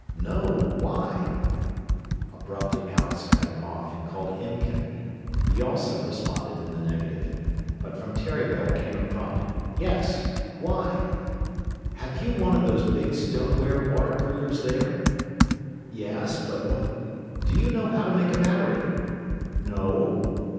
"No. Why " Abruptly Alex cut him off and called Imken. He also responded in the negative. But from Terryville came a prompt "Yes. Why " "Have you one of those big stoneware water coolers there?" "Yes, but wh " "Do you know how to make a battery?" "No."